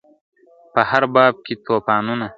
په هرباب کي توپانونه `